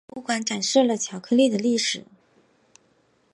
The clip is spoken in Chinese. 博物馆展示了巧克力的历史。